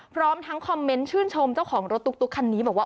พร้อมทั้งคอมเมนต์ชื่นชมเจ้าของรถตุ๊กคันนี้บอกว่า